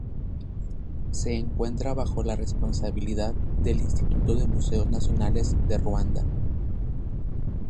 Se encuentra bajo la responsabilidad del Instituto de Museos Nacionales de Ruanda.